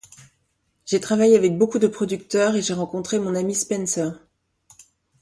J'ai travaillé avec beaucoup de producteurs et j'ai rencontré mon ami Spencer.